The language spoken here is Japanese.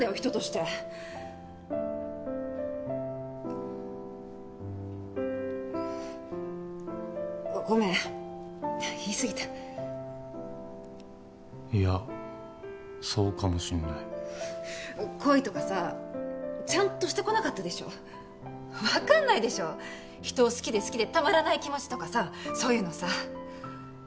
人としてごめん言いすぎたいやそうかもしんない恋とかさちゃんとしてこなかったでしょ分かんないでしょ人を好きで好きでたまらない気持ちとかさそういうのさ